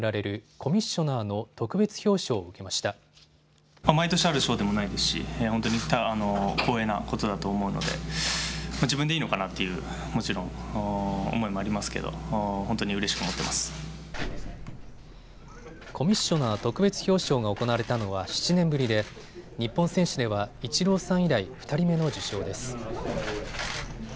コミッショナー特別表彰が行われたのは７年ぶりで日本選手ではイチローさん以来、２人目の受賞です。